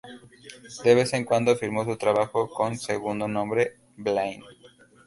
De vez en cuando, firmó su trabajo con su segundo nombre, Blaine.